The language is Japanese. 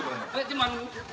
でもあの。